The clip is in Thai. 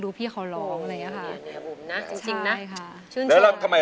อายุ๒๔ปีวันนี้บุ๋มนะคะ